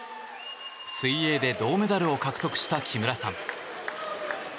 水泳で銅メダルを獲得した木村さん。